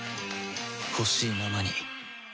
ほしいままに